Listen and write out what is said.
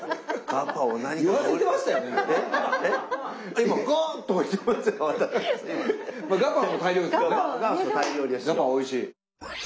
ガパオおいしい。